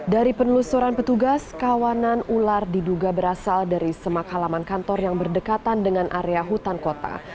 dari penelusuran petugas kawanan ular diduga berasal dari semak halaman kantor yang berdekatan dengan area hutan kota